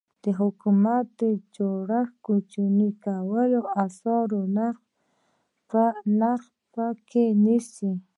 د حکومت د جوړښت کوچني کول د اسعارو نرخ بر کې نیسي.